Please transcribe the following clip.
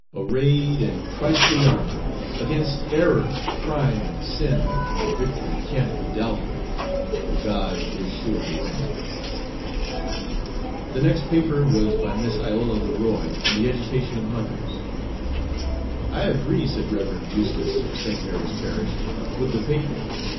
Arrayed in Christly armor 'Gainst error, crime, and sin, The victory can't be doubtful, For God is sure to win. The next paper was by Miss Iola Leroy, on the "Education of Mothers." "I agree," said Rev. Eustace, of St. Mary's parish, "with the paper.